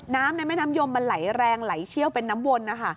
น้ำในแม่นำยมมันไหลแรงไหลเชี่ยวเป็นน้ำวน